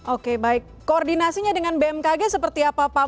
oke baik koordinasinya dengan bmkg seperti apa pak